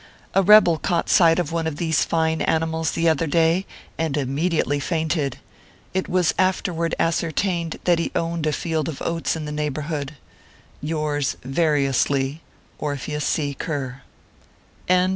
A rebel caught sight of one of these fine ani mals, the other day, and immediately fainted. It was afterward ascertained that he owned a field of oats in the neighborhood. Yours, vari